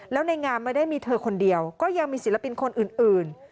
แล้วในงานไม่ได้มีเธอคนเดียวก็ยังมีศิลปินคนอื่น